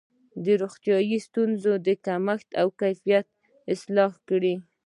د روغتیايي ستونزو کمیت او کیفیت اصلاح کړي.